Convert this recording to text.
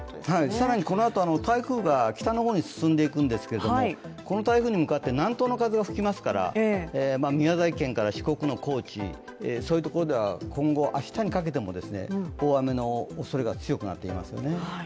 更にこのあと、台風が北の方に進んでいくんですがこの台風に向かって南東の風が吹きますから宮崎県、それから四国の高知というところでは明日にかけて大雨のおそれが強くなっていますよね。